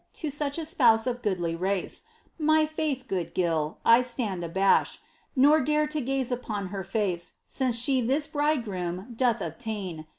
To such a Spouse of goodly race ! My faith, good Gil ! I stand abashed. Nor dare to gaze upon her face Since she this Bridegroom doth obtain.